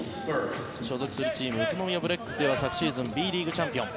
所属するチーム宇都宮ブレックスでは昨シーズンＢリーグチャンピオン。